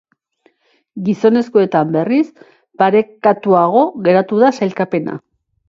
Gizonezkoetan, berriz, parekatuago geratu da sailkapena.